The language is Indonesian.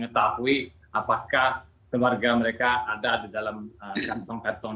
rumah sakit ahmad murtad untuk mengetahui apakah keluarga mereka ada di dalam kantong kantong